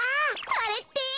あれって？